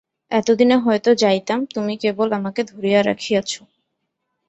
এতদিনে হয়তো যাইতাম, তুমি কেবল আমাকে ধরিয়া রাখিয়াছ।